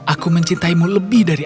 aku mencintaimu lebih dari